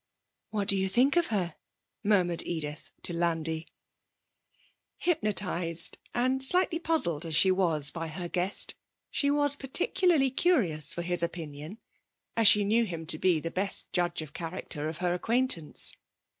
'What do you think of her?' murmured Edith to Landi. Hypnotised and slightly puzzled as she was by her guest, she was particularly curious for his opinion, as she knew him to be the best judge of character of her acquaintance.